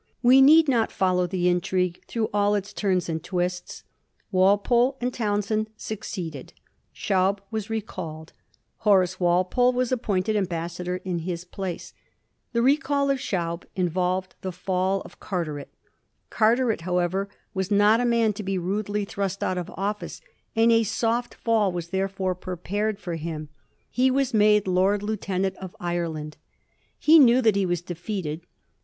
We need not follow the intrigue through all its turns and twists. Walpole and Townshend succeeded. Schaub was recalled ; Horace Walpole was appointed ambassador in his place. The recall of Schaub in volved the fall of Carteret. Carteret, however, was not a man to be rudely thrust out of office, and a soft fall was therefore prepared for him ; he was made Digiti zed by Google 314 A HISTORY OF THE FOUR GEORGES, ch. xi?. Lord Lieutenant of Ireland. He knew that he was defeated.